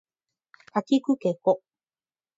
かきくけこ